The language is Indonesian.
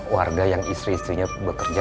warga yang istri istrinya bekerja